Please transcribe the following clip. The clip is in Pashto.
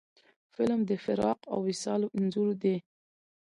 فلم د فراق او وصال انځور دی